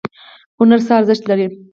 هنر څه ارزښت لري؟